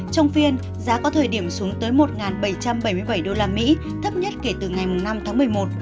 trong phiên giá có thời điểm xuống tới một bảy trăm bảy mươi bảy usd thấp nhất kể từ ngày năm tháng một mươi một